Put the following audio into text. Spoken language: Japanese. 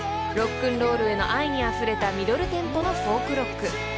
［ロックンロールへの愛にあふれたミドルテンポのフォークロック］